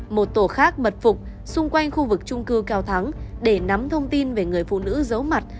một tổ khác mật phục xung quanh khu vực trung cư cao thắng để nắm thông tin về người phụ nữ giấu mặt